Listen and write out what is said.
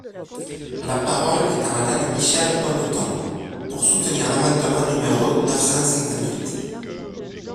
La parole est à Madame Michèle Bonneton, pour soutenir l’amendement numéro neuf cent cinquante-huit.